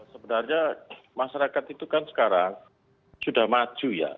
sebenarnya masyarakat itu kan sekarang sudah maju ya